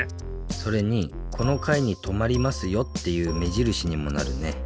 それに「このかいに止まりますよ」っていう目じるしにもなるね。